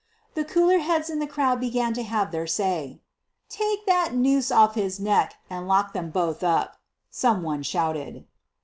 The cooler heads in the crowd began to have their say. "Take that noose off his neck and lock them both up," some one shouted.